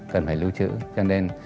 cần phải lưu trữ cho nên